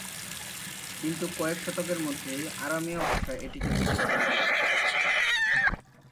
কিন্তু কয়েক শতকের মধ্যেই আরামীয় ভাষা এটিকে প্রতিস্থাপিত করে।